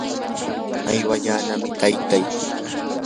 aywallanami taytay.